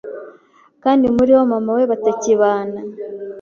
kandi muri bo Mama we batakibana